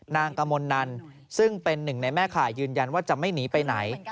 กมลนันซึ่งเป็นหนึ่งในแม่ข่ายยืนยันว่าจะไม่หนีไปไหน